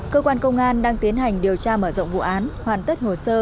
cơ quan công an đang tiến hành điều tra mở rộng vụ án hoàn tất hồ sơ